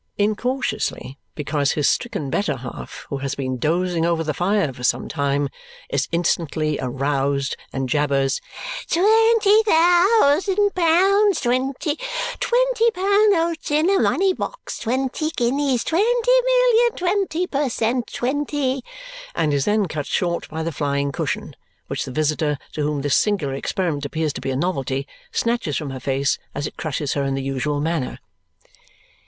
Incautiously, because his stricken better half, who has been dozing over the fire for some time, is instantly aroused and jabbers "Twenty thousand pounds, twenty twenty pound notes in a money box, twenty guineas, twenty million twenty per cent, twenty " and is then cut short by the flying cushion, which the visitor, to whom this singular experiment appears to be a novelty, snatches from her face as it crushes her in the usual manner.